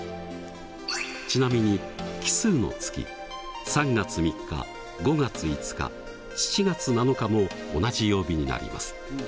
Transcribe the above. ちなみに奇数の月３月３日５月５日７月７日も同じ曜日になります。